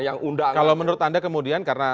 yang undang kalau menurut anda kemudian karena